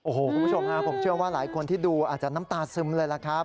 โอ้โหคุณผู้ชมฮะผมเชื่อว่าหลายคนที่ดูอาจจะน้ำตาซึมเลยล่ะครับ